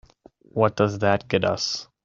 What does that get us?